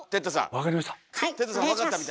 分かりました。